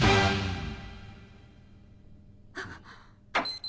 あっ。